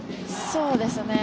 そうですね。